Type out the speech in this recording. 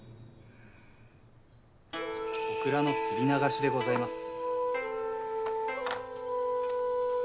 オクラの擂りながしでございます。